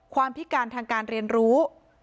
พิการทางการเรียนรู้